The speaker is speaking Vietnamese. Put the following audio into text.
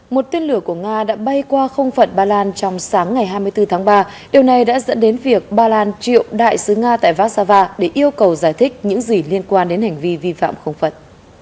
một tiên lửa của nga đã bay qua không phận ba lan trong sáng ngày hai mươi bốn tháng ba điều này đã dẫn đến việc ba lan triệu đại sứ nga tại vassava để yêu cầu giải thích những gì liên quan đến hành vi vi phạm không phận